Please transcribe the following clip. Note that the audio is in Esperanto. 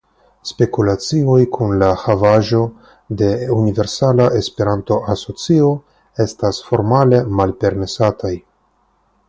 Spekulacioj kun la havaĵo de Universala Esperanto Asocio estas formale malpermesataj.